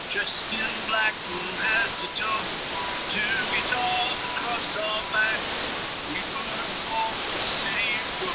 Though the claim spread widely in antiquity, it is now considered unlikely.